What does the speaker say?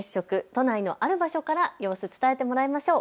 都内のある場所から様子を伝えてもらいましょう。